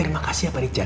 makasih pak rijal